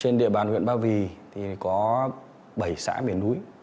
trên địa bàn huyện ba vì thì có bảy xã miền núi